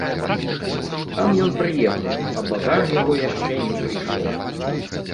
Сам ён прыехаў, а багаж яго яшчэ не прыйшоў.